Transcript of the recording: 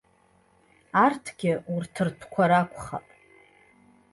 Арҭгьы урҭ ртәқәа ракәхап.